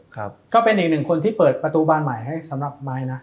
ก็เป็นอีกหนึ่งคนที่เปิดประตูบานใหม่ให้สำหรับไม้นะ